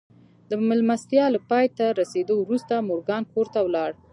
د مېلمستیا له پای ته رسېدو وروسته مورګان کور ته ولاړ